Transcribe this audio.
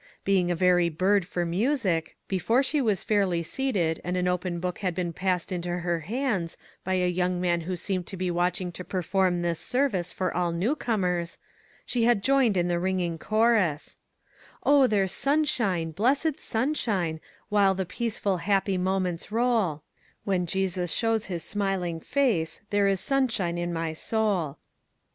Being a very bird for music, before she was fairly seated and an open book had been 1 68 NEW IDEAS passed into her hands, by a young man who seemed to be watching to perform this service for all new comers, she had joined in the ring ing chorus: " Oh, there's sunshine, blessed sunshine, V/hile the peaceful, happy moments roll; When Jesus shows his smiling face, There is sunshine in my soul."